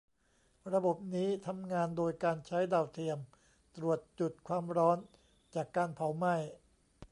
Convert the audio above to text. ระบบนี้ทำงานโดยการใช้ดาวเทียมตรวจจุดความร้อนจากการเผาไหม้